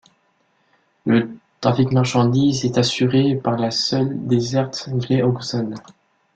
Le trafic marchandises est assuré par la seule desserte Gray-Auxonne.